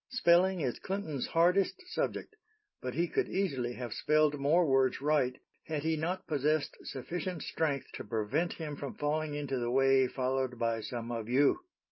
"Spelling is Clinton's hardest subject, but he could easily have spelled more words right had he not possessed sufficient strength to prevent him from falling into the way followed by some of you."